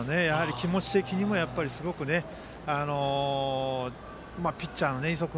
気持ち的にもすごくピッチャーの磯君